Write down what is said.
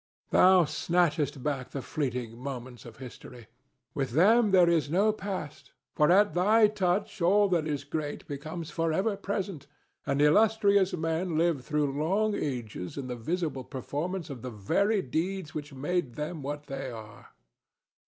Thou snatchest back the fleeting moments of history. With thee there is no past, for at thy touch all that is great becomes for ever present, and illustrious men live through long ages in the visible performance of the very deeds which made them what they are.